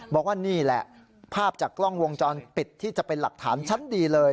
บอกว่านี่แหละภาพจากกล้องวงจรปิดที่จะเป็นหลักฐานชั้นดีเลย